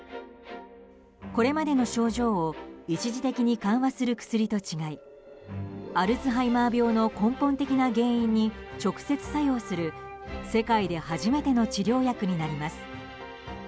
これまでの症状を一時的に緩和する薬と違いアルツハイマー病の根本的な原因に直接作用する、世界で初めての治療薬になります。